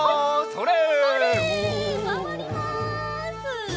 それ！